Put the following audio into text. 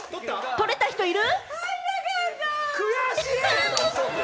取れた人いる？